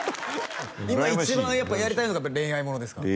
今一番やりたいのが恋愛ものですか？